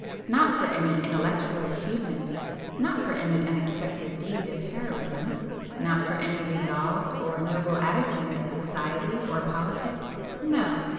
Not for any intellectual achievement,—not for any unexpected deed of heroism,—not for any resolved or noble attitude in society or politics,—no!